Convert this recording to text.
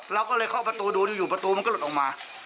เราก็เลยเข้าประตูดูอยู่ประตูมันก็หลุดออกมา